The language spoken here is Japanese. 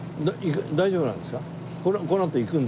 大丈夫なんですか？